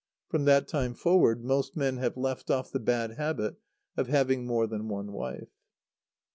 From that time forward most men have left off the bad habit of having more than one wife.